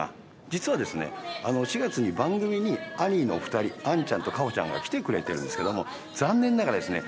実はですね４月に番組にアニーのお２人杏ちゃんと花帆ちゃんが来てくれてるんですけども残念ながらですね